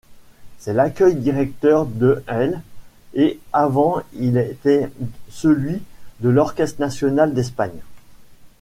C'est l'actuel directeur de l', et avant il était celui de l'Orchestre national d'Espagne.